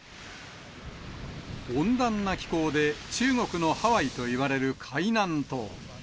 温暖な気候で中国のハワイといわれる海南島。